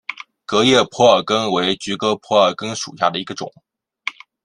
革叶蒲儿根为菊科蒲儿根属下的一个种。